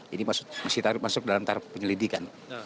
ini masih masuk dalam tarif penyelidikan